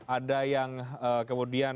ada yang kemudian